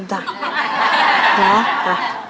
พร้อม